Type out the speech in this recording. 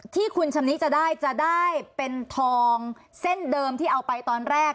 ที่คุณชำนิจะได้จะได้เป็นทองเส้นเดิมที่เอาไปตอนแรก